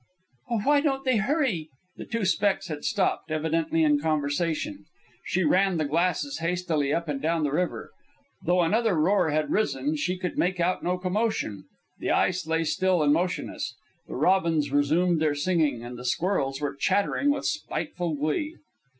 "Oh, why don't they hurry!" The two specks had stopped, evidently in conversation. She ran the glasses hastily up and down the river. Though another roar had risen, she could make out no commotion. The ice lay still and motionless. The robins resumed their singing, and the squirrels were chattering with spiteful glee.